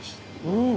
うん。